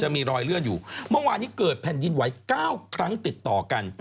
เมื่อวานนี้เกิดพันธ์ดินไหว้๙ครั้งติดต่อกัน